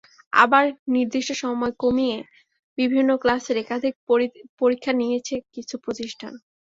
আবার নির্দিষ্ট সময় কমিয়ে বিভিন্ন ক্লাসের একাধিক পরীক্ষা নিয়েছে কিছু প্রতিষ্ঠান।